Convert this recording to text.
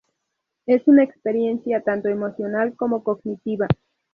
Es una experiencia tanto emocional como cognitiva.